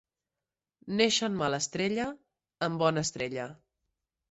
Néixer en mala estrella, en bona estrella.